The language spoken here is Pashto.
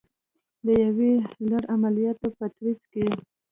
د یو لړ عملیاتو په ترڅ کې